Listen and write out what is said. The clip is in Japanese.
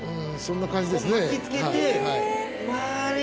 そんな感じですね。